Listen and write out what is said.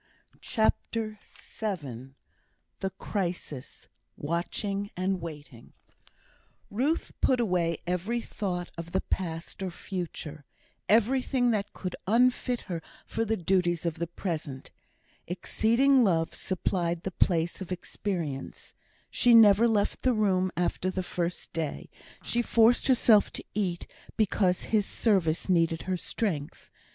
CHAPTER VII The Crisis Watching and Waiting Ruth put away every thought of the past or future; everything that could unfit her for the duties of the present. Exceeding love supplied the place of experience. She never left the room after the first day; she forced herself to eat, because his service needed her strength.